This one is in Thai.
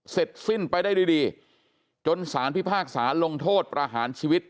เสร็จสิ้นไปได้ดีจนสารพิพากษาลงโทษประหารชีวิต